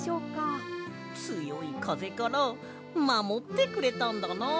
つよいかぜからまもってくれたんだな。